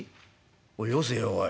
おいよせよおい。